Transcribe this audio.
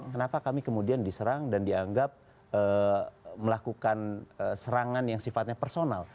kenapa kami kemudian diserang dan dianggap melakukan serangan yang sifatnya personal